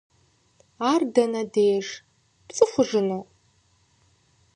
Ар дэнэ деж? ПцӀыхужыну?